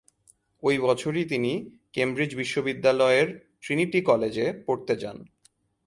ওই বছরই তিনি কেমব্রিজ বিশ্ববিদ্যালয়ের ট্রিনিটি কলেজে পড়তে যান।